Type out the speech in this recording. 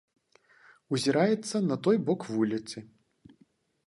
Узіраецца на той бок вуліцы.